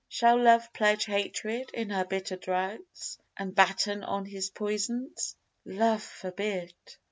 Shall Love pledge Hatred in her bitter draughts, And batten on his poisons? Love forbid!